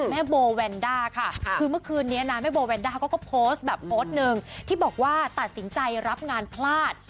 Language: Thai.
แม่โบแวนด้าค่ะคือเมื่อคืนนี้นะแม่โบแวนด้าก็โพสต์แบบโพสต์หนึ่งที่บอกว่าตัดสินใจรับงานพลาด